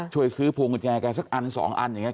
ช่วยซื้อพวงกุญแจแกสักอันสองอันอย่างนี้